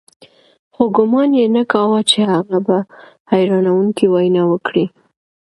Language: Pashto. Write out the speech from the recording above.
خو ګومان یې نه کاوه چې هغه به حیرانوونکې وینا وکړي